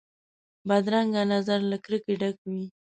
بدرنګه نظر له کرکې ډک وي